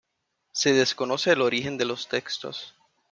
Se desconoce el origen de los textos.